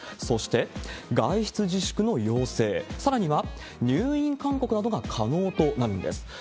そして、外出自粛の要請、さらには入院勧告などが可能となるんです。